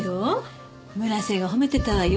村瀬が褒めてたわよ